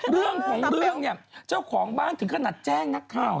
เรื่องของเรื่องเนี่ยเจ้าของบ้านถึงขนาดแจ้งนักข่าว